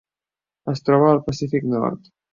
Es troba al Pacífic nord: